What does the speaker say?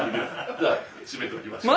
じゃあ閉めておきましょう。